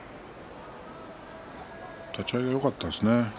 立ち合いがよかったですね。